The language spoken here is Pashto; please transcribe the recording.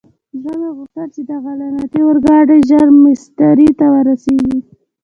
زړه مې غوښتل چې دغه لعنتي اورګاډی ژر مېسترې ته ورسېږي.